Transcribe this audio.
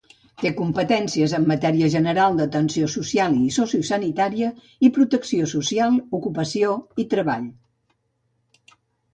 Té competències en matèria general d'atenció social i sociosanitària i protecció social, ocupació i treball.